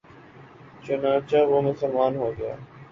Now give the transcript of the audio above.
چنانچہ وہ مسلمان ہو گیا